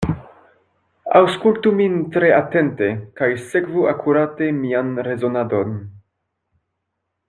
Aŭskultu min tre atente, kaj sekvu akurate mian rezonadon.